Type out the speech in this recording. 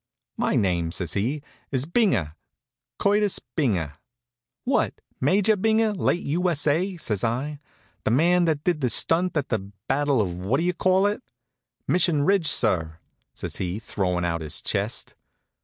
"My name," says he, "is Binger, Curtis Binger." "What, Major Binger, late U. S. A.?" says I. "The man that did the stunt at the battle of What d'ye call it?" "Mission Ridge, sir," says he, throwin' out his chest.